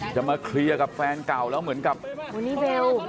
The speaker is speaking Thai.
จะมาเคลียร์กับแฟนเก่าแล้วเหมือนกับอูนี่เบล